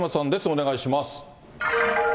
お願いします。